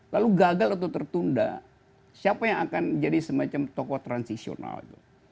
lalu gagal atau tertunda siapa yang akan jadi semacam tokoh transisional itu